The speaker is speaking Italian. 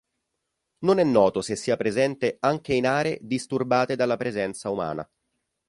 Non è noto se sia presente anche in aree disturbate dalla presenza umana.